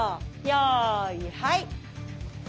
よーいはい。